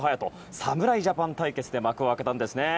侍ジャパン対決で幕を開けたんですね。